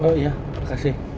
oh iya terima kasih